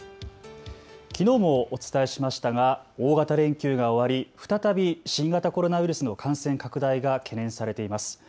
きのうもお伝えしましたが大型連休が終わり再び新型コロナウイルスの感染拡大が懸念されています。